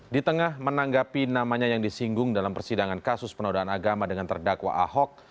di tengah menanggapi namanya yang disinggung dalam persidangan kasus penodaan agama dengan terdakwa ahok